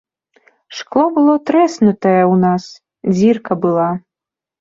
Шкло было трэснутае ў нас, дзірка была.